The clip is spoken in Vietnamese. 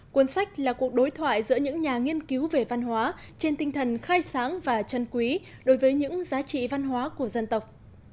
cuốn sách là cuộc đối thoại giữa những nhà nghiên cứu về văn hóa trên tinh thần khai sáng và chân quý đối với những giá trị văn hóa của dân tộc